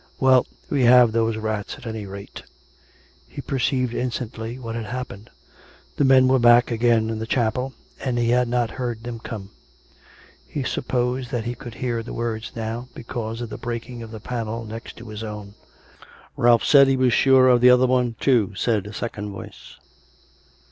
" Well, we have those rats, at any rate." (He perceived instantly what had happened. The men were back again in the chapel, and he had not heard them 398 COME RACK! COME ROPE! come. He supposed that he could hear the words now, because of the breaking of the panel next to his own.) " Ralph said he was sure of the other one, too," said a second voice.